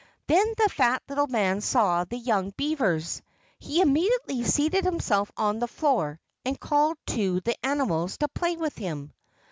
Then the fat little man saw the young beavers. He immediately seated himself on the floor and called to the animals to play with him.